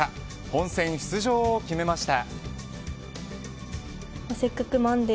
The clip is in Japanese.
本戦出場を決めました。